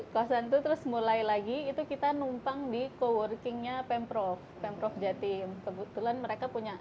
kosan itu terus mulai lagi itu kita numpang di co workingnya pemprov pemprov jatim kebetulan mereka punya